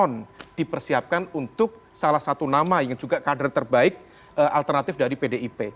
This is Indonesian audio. yang dipersiapkan untuk salah satu nama yang juga kader terbaik alternatif dari pdip